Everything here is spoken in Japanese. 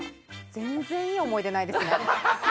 全然いい思い出ないですね。